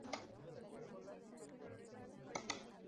Su sede central se encuentra en Aristóbulo del Valle.